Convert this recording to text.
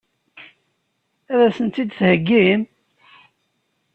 Ad sent-tt-id-theggim?